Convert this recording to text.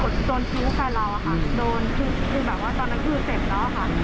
โดนคิ้วของแฟนเราค่ะตอนนั้นคือเสพแล้วอ่ะค่ะ